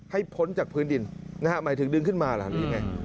พ้นจากพื้นดินนะฮะหมายถึงดึงขึ้นมาเหรอหรือยังไง